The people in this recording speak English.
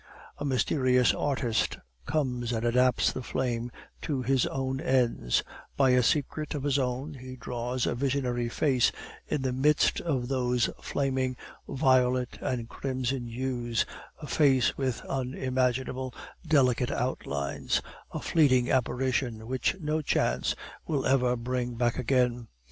A mysterious artist comes and adapts that flame to his own ends; by a secret of his own he draws a visionary face in the midst of those flaming violet and crimson hues, a face with unimaginable delicate outlines, a fleeting apparition which no chance will ever bring back again.